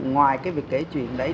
ngoài cái việc kể chuyện đấy